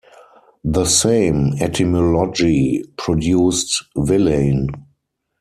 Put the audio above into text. The same etymology produced villein.